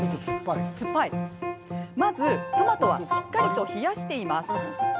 まず、トマトはしっかりと冷やしています。